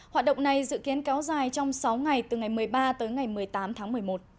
hoạt động này dự kiến kéo dài trong sáu ngày từ ngày một mươi ba tới ngày một mươi tám tháng một mươi một